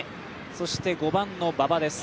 そして、５番の馬場です。